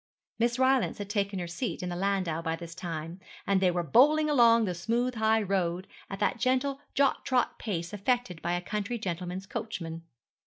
Miss Rylance had taken her seat in the landau by this time, and they were bowling along the smooth high road at that gentle jog trot pace affected by a country gentleman's coachman.